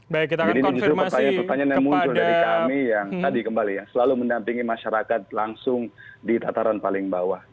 jadi ini justru pertanyaan yang muncul dari kami yang selalu mendampingi masyarakat langsung di tataran paling bawah